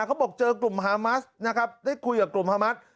เขาบอกเจอกลุ่มฮามัสนะครับได้คุยกับกลุ่มฮามัส